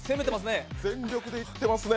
全力でいっていますね。